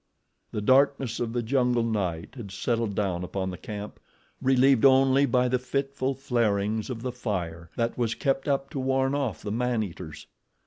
The darkness of the jungle night had settled down upon the camp, relieved only by the fitful flarings of the fire that was kept up to warn off the man eaters.